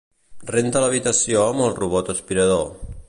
Renta l'habitació amb el robot aspirador.